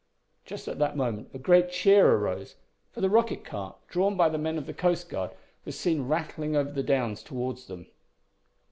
Just at that moment a great cheer arose, for the rocket cart, drawn by the men of the Coast Guard, was seen rattling over the downs towards them.